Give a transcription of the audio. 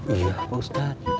iya pak ustad